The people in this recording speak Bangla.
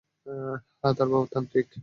হ্যাঁ, তার বাপ তান্ত্রিক।